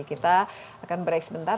kita akan break sebentar